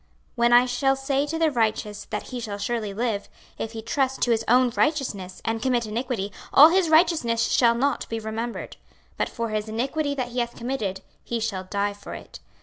26:033:013 When I shall say to the righteous, that he shall surely live; if he trust to his own righteousness, and commit iniquity, all his righteousnesses shall not be remembered; but for his iniquity that he hath committed, he shall die for it.